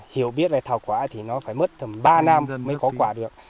hiểu biết về thảo quả thì nó phải mất tầm ba năm mới có quả được